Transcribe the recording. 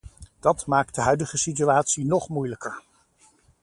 Dat maakt de huidige situatie nog moeilijker.